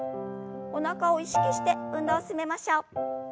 おなかを意識して運動を進めましょう。